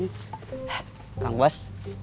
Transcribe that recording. hah kang bas